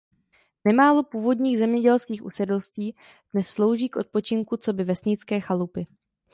Nemálo původních zemědělských usedlostí dnes slouží k odpočinku coby vesnické chalupy.